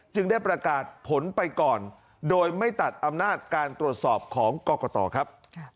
ได้ประกาศผลไปก่อนโดยไม่ตัดอำนาจการตรวจสอบของกรกตครับ